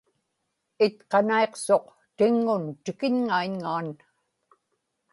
itqanaiqsuq tiŋŋun tikiñŋaiñŋaan